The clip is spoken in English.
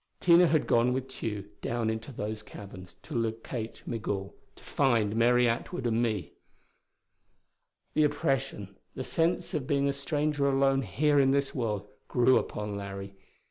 Tina had gone with Tugh down into those caverns, to locate Migul, to find Mary Atwood and me.... The oppression, the sense of being a stranger alone here in this world, grew upon Larry.